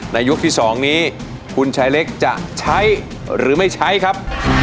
ยกที่๒นี้คุณชายเล็กจะใช้หรือไม่ใช้ครับ